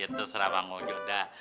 itu serah bang ojo dah